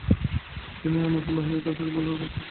তিনি মুসলিম বাহিনীর কাছ থেকে ভেলোর পুনরুদ্ধারের আশা করছিলেন।